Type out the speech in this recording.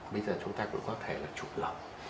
bây giờ chúng ta cũng có thể là chụp lỏng